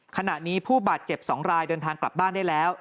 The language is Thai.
ขณะนี้ผู้บาดเจ็บ๒รายเดินทางกลับบ้านได้แล้ว